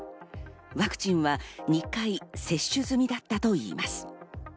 ワクチンは２回接種済みだったといいます。